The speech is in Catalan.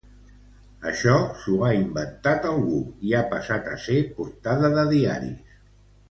Això s’ho ha inventat algú, i ha passat a ser portada de diaris.